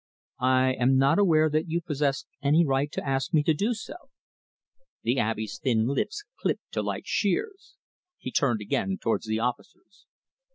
"I am not aware that you possess any right to ask me to do so." The Abbe's thin lips clipped to like shears. He turned again towards the officers.